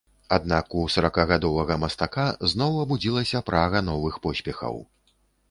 Аднак, у саракагадовага мастака зноў абудзілася прага новых поспехаў.